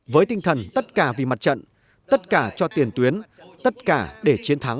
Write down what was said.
với tinh thần tất cả vì mặt trận tất cả cho tiền tuyến tất cả để chiến thắng